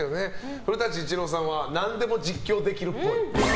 古舘伊知郎さんは何でも実況できるっぽい。